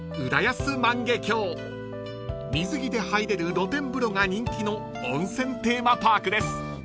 ［水着で入れる露天風呂が人気の温泉テーマパークです］